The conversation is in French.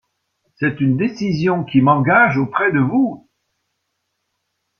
C'est une décision qui m’engage auprès de vous.